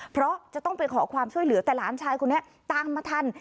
เพราะจะต้องไปขอความช่วยเหลือแต่หลานชายคนนี้ตามมาทัน